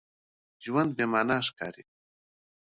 ژوند بې مانا ښکاري.